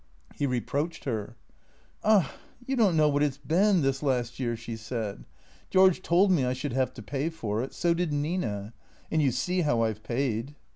He reproached her. "Ah — you don't know what it's been, this last year," she said. " George told me I should have to pay for it. So did Nina. And you see how I 've paid."